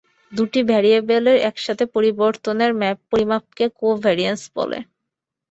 দুটি ভ্যারিয়েবলের একসাথে পরিবর্তনের পরিমাপকেই কোভ্যারিয়্যান্স বলে।